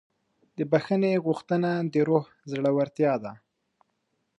د بښنې غوښتنه د روح زړورتیا ده.